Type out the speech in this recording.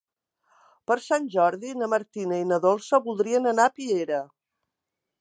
Per Sant Jordi na Martina i na Dolça voldrien anar a Piera.